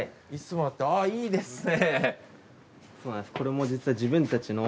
ああいいですね。